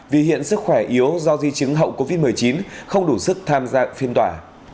vì hiện sức khỏe yếu do di chứng hậu covid một mươi chín không đủ sức tham gia phiên tòa